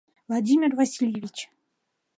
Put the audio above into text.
— Владимир Васильевич!